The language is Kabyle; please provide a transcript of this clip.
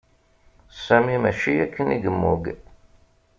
Sami mačči akken i yemmug.